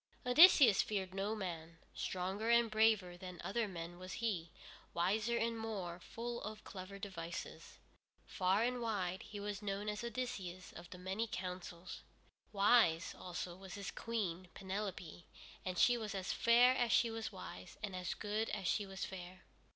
Odysseus feared no man. Stronger and braver than other men was he, wiser, and more full of clever devices. Far and wide he was known as Odysseus of the many counsels. Wise, also, was his Queen, Penelope, and she was as fair as she was wise, and as good as she was fair.